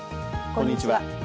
こんにちは。